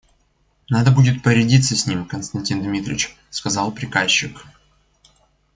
Надо будет порядиться с ним, Константин Дмитрич, — сказал приказчик.